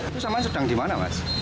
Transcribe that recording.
itu sama sedang di mana mas